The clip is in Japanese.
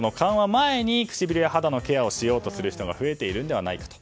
前に唇や肌のケアをしようとする人が増えているのではないかと。